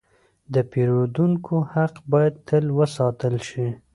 د پیرودونکو حق باید تل وساتل شي.